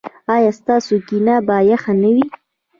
ایا ستاسو کینه به یخه نه وي؟